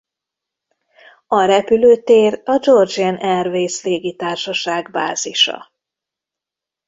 A repülőtér a Georgian Airways légitársaság bázisa.